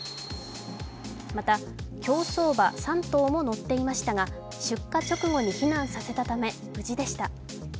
また、競走馬３頭も乗っていましたが出火直後に避難させたため無事でした。